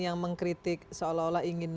yang mengkritik seolah olah ingin